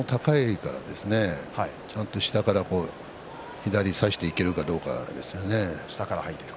下からちゃんと左を差していけるかどうかですね。